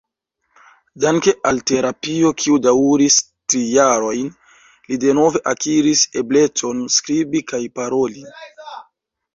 Danke al terapio kiu daŭris tri jarojn, li denove akiris eblecon skribi kaj paroli.